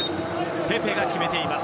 ペペが決めています。